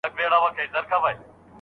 چاچي تویي کړي پښتنې شهیدي ویني دي